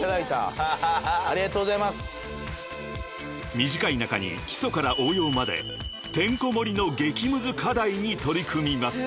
［短い中に基礎から応用までてんこ盛りの激ムズ課題に取り組みます］